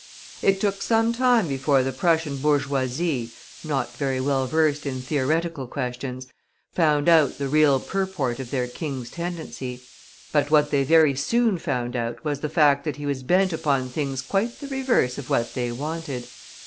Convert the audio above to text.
It took some time before the Prussian bourgeoisie, not very well versed in theoretical questions, found out the real purport of their King's tendency. But what they very soon found out was the fact that he was bent upon things quite the reverse of what they wanted.